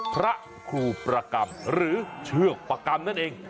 พระครูประกรรมหรือเชือกประกรรมนั่นเอง